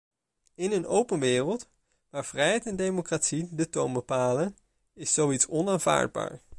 In een open wereld, waar vrijheid en democratie de toon bepalen, is zoiets onaanvaardbaar.